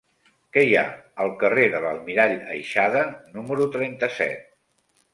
Què hi ha al carrer de l'Almirall Aixada número trenta-set?